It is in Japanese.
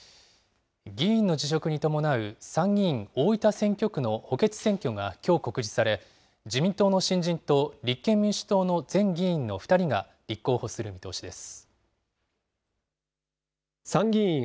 議員の辞職に伴う参議院大分選挙区の補欠選挙がきょう告示され、自民党の新人と立憲民主党の前議員の２人が立候補する見通しです。